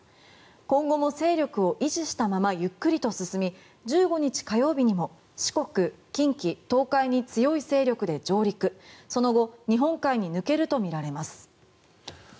今後も勢力を維持したままゆっくりと進み１５日火曜日にも四国、近畿、東海に強い勢力で上陸その後、日本海に抜けるとみられます。